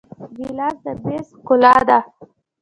ګیلاس د میز ښکلا ده.